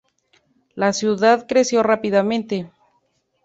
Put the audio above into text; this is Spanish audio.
La ciudad creció rápidamente.